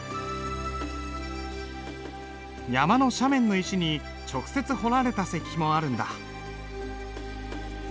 山の斜面の石に直接彫られた石碑もあるんだ。